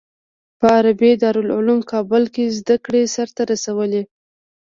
په عربي دارالعلوم کابل کې زده کړې سر ته رسولي.